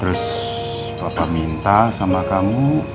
terus papa minta sama kamu